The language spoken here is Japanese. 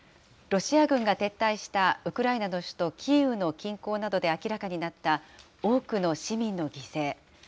ロシア軍が撤退したウクライナの首都キーウの近郊などで明らかになった、多くの市民の犠牲。